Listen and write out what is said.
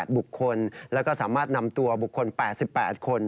บุคคลแล้วก็สามารถนำตัวบุคคล๘๘คน